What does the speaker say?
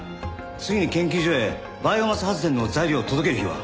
次に研究所へバイオマス発電の材料を届ける日は？